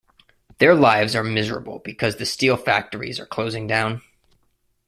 Their lives are miserable because the steel factories are closing down.